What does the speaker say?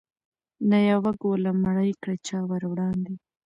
نه یوه ګوله مړۍ کړه چا وروړاندي